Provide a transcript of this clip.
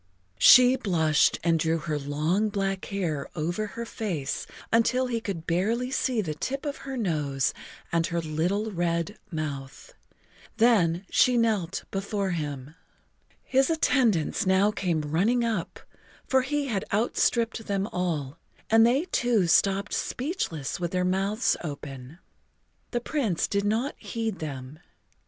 She blushed and drew her long black hair over her face until he could barely see the tip of her nose and her little red mouth. Then she knelt before him. His attendants now came running up, for he had outstripped them all, and they too stopped speechless with their mouths open. The Prince did not heed them.